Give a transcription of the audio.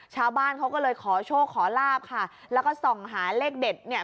ชาวบ้านเขาก็เลยขอโชคขอลาบค่ะแล้วก็ส่องหาเลขเด็ดเนี่ย